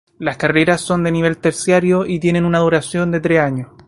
Las carreras son de nivel terciario y tienen una duración de tres años.